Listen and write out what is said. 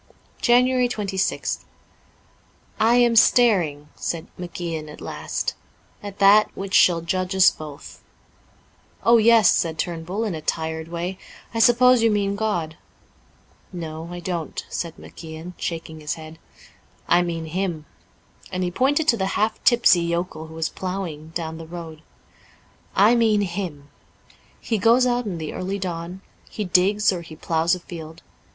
26 JANUARY 26th * T AM staring, ' said Maclan at last, * at that 1. which shall judge us both.' *0h yes,' said TurnbuU in a tired way ;' I suppose you mean God.' * No, I don't,' said Maclan, shaking his head, ' I mean him.' And he pointed to the half tipsy yokel who was ploughing, down the road. ' I mean him. He goes out in the early dawn ; he digs or he ploughs a field.